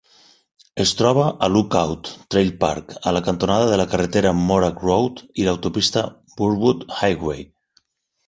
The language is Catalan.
Es troba a Lookout Trail Park, a la cantonada de la carretera Morack Road i l'autopista Burwood Highway.